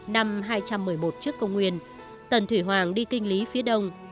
năm hai trăm một mươi một trước công nguyên tần thủy hoàng đi kinh lý phía đông